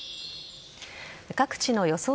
各地の予想